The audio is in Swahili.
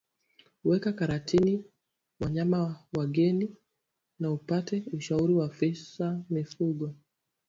Weka karantini wanyama wageni na upate ushauri wa afisa mifugo